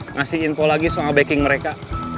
ngasih info lagi soal backing mereka